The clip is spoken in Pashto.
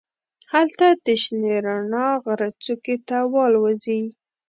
هلته د شنې رڼا غره څوکې ته والوزي.